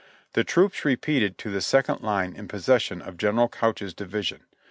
The troops retreated to the second line in possession of General Couch's division.